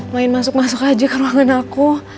main masuk masuk aja kan bangun aku